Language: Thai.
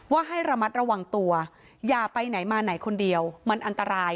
ให้ระมัดระวังตัวอย่าไปไหนมาไหนคนเดียวมันอันตราย